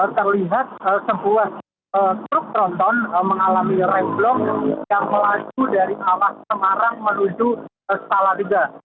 terlihat sebuah truk tronton mengalami remblong yang melaju dari arah semarang menuju stala tiga